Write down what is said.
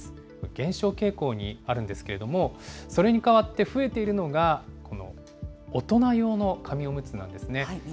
減少傾向にあるんですけれども、それに代わって増えているのが、この大人用の紙おむつなんですね。